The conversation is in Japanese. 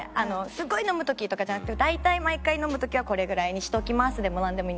すごい飲む時とかじゃなくて大体毎回飲む時はこれぐらいにしておきますでもなんでもいいんですけど。